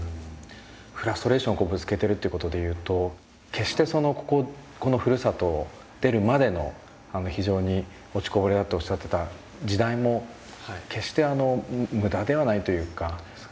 フラストレーションをぶつけてるって事で言うと決してこのふるさとを出るまでの非常に落ちこぼれだとおっしゃってた時代も決してムダではないというか。